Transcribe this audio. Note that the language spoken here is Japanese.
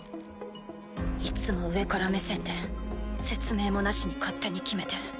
いつも上から目線で説明もなしに勝手に決めて。